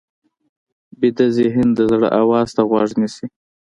ویده ذهن د زړه آواز ته غوږ نیسي